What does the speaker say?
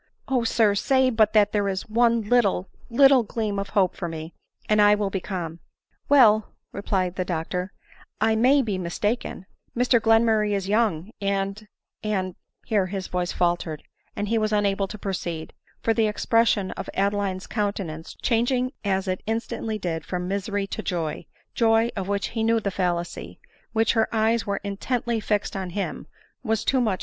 O sir ! say but that there is one lit tle, little gleam of hope for me, and I will be calm." "Well," replied Dr , "I may he mistaken; Mr Glenmurray is young, and — and —" here his voice faltered, and he was unable to proceed ; for the expres sion of Adeline's countenance, changing as it instantly did from misery to joy — joy of which he knew the fallacy — while her eyes were intently fixed on him, was too much / ADELINE MOWBRAY.